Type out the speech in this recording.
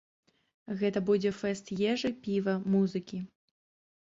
Гэта будзе фэст ежы, піва, музыкі.